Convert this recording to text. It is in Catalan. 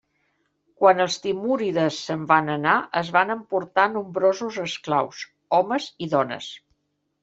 Quan els timúrides se'n van anar es van emportar nombrosos esclaus, homes i dones.